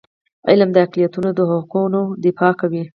علم د اقلیتونو د حقونو دفاع کوي.